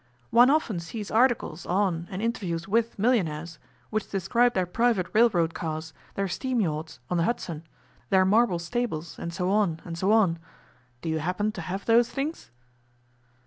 One often sees articles on and interviews with millionaires, which describe their private railroad cars, their steam yachts on the Hudson, their marble stables, and so on, and so on. Do you happen to have those things?